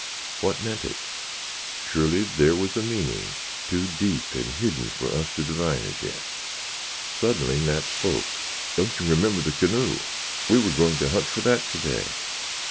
What meant it? Surely there was a meaning too deep and hidden for us to divine as yet. Suddenly Nat spoke. "Don't you remember the canoe? We were going to hunt for that to day!"